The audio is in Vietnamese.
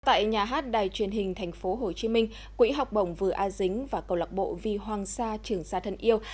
tại nhà hát đài truyền hình thành phố hồ chí minh quỹ học bổng vừa a dính và cầu lạc bộ vì hoàng sa trường sa thân yêu